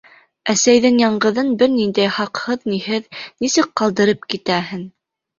Әсәйҙең яңғыҙын бер ниндәй һаҡһыҙ-ниһеҙ нисек ҡалдырып китәһең?